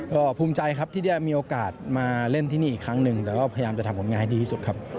ก็ภูมิใจครับที่ได้มีโอกาสมาเล่นที่นี่อีกครั้งหนึ่งแต่ก็พยายามจะทำผลงานให้ดีที่สุดครับ